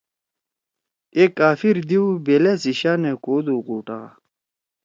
اے کافر دیو بیلا سی شانے کودُو غوٹا